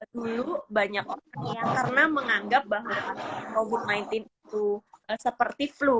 dulu banyak orang karena menganggap bahwa covid sembilan belas itu seperti flu